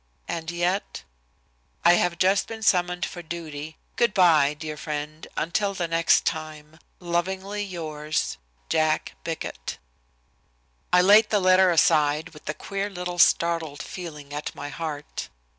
"And yet " "I have just been summoned for duty. Good by, dear friend, until the next time. Lovingly yours, Jack Bickett." I laid the letter aside with a queer little startled feeling at my heart.